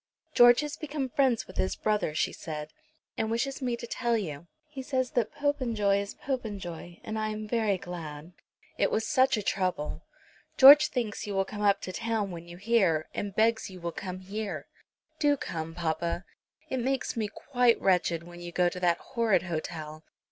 "George has become friends with his brother," she said, "and wishes me to tell you. He says that Popenjoy is Popenjoy, and I am very glad. It was such a trouble. George thinks you will come up to town when you hear, and begs you will come here. Do come, papa! It makes me quite wretched when you go to that horrid hotel.